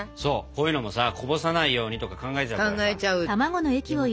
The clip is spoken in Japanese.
こういうのもさこぼさないようにとか考えちゃうからさ。